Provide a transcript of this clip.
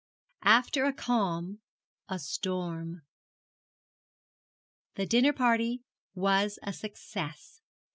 AFTER A CALM A STORM. The dinner party was a success.